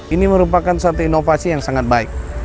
ini merupakan satu inovasi yang sangat baik